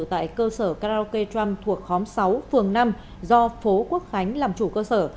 tại cơ sở karaoke trump thuộc khóm sáu phường năm do phố quốc khánh làm chủ cơ sở